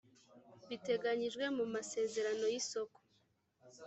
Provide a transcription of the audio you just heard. biteganyijwe mu masezerano y’isoko